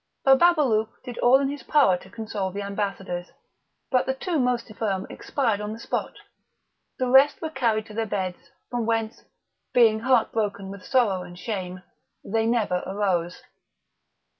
Bababalouk did all in his power to console the ambassadors, but the two most infirm expired on the spot; the rest were carried to their beds, from whence, being heart broken with sorrow and shame, they never arose.